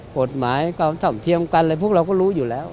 บทหมายการสอบเทียมกันพวกเราก็รู้อยู่แล้ว